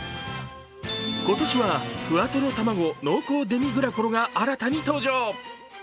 今年は、ふわとろたまご濃厚デミグラコロが新たに登場。